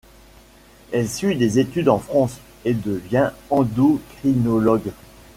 Elle suit des études en France et devient endocrinologue.